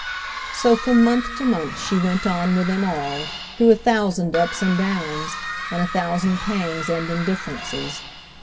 So from month to month she went on with them all, through a thousand ups and downs and a thousand pangs and indifferences.